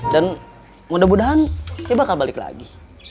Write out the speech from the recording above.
dan mudah mudahan dia bakal balik lagi